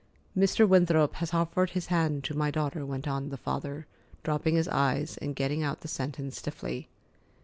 "Mr. Winthrop has offered his hand to my daughter," went on the father, dropping his eyes and getting out the sentence stiffly.